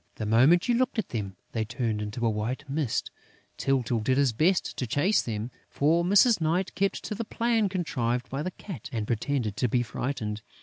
The moment you looked at them, they turned into a white mist. Tyltyl did his best to chase them; for Mrs. Night kept to the plan contrived by the Cat and pretended to be frightened.